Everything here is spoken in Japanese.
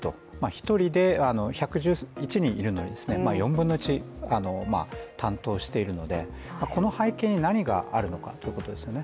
１人で、１１１人いるのに、４分の１担当しているのでこの背景に何があるのかということですよね。